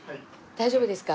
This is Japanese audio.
大丈夫ですか？